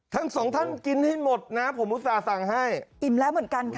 ทั้งสองท่านกินให้หมดนะผมอุตส่าห์สั่งให้อิ่มแล้วเหมือนกันค่ะ